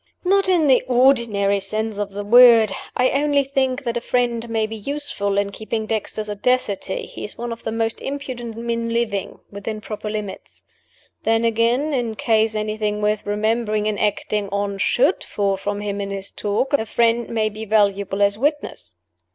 "Not in the ordinary sense of the word. I only think that a friend may be useful in keeping Dexter's audacity (he is one of the most impudent men living) within proper limits. Then, again, in case anything worth remembering and acting on should fall from him in his talk, a friend may be valuable as witness.